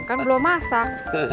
kan belum masak